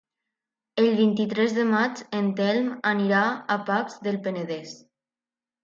El vint-i-tres de maig en Telm anirà a Pacs del Penedès.